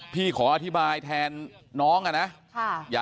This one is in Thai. ขออธิบายแทนน้องอะนะ